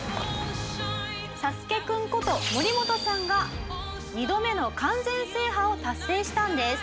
サスケくんこと森本さんが２度目の完全制覇を達成したんです。